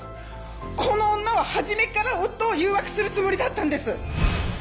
この女は初めから夫を誘惑するつもりだったんです！